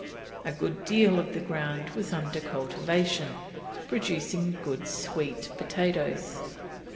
A good deal of the ground was under cultivation, producing good sweet potatoes.